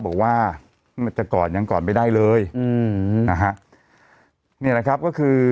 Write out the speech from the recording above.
บอกว่ามันจะกอดยังก่อนไม่ได้เลยอืมนะฮะเนี่ยนะครับก็คือ